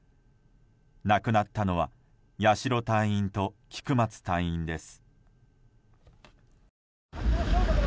亡くなったのは八代隊員と菊松隊員です。